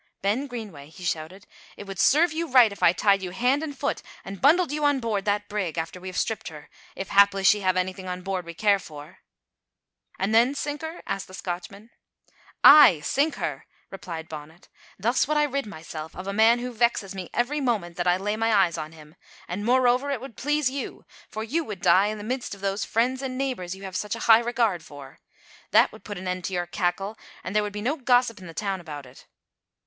"Ben Greenway," he shouted, "it would serve you right if I tied you hand and foot and bundled you on board that brig, after we have stripped her, if haply she have anything on board we care for." "An' then sink her?" asked the Scotchman. "Ay, sink her!" replied Bonnet. "Thus would I rid myself of a man who vexes me every moment that I lay my eyes on him, and, moreover, it would please you; for you would die in the midst of those friends and neighbours you have such a high regard for. That would put an end to your cackle, and there would be no gossip in the town about it."